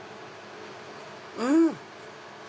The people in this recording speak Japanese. うん。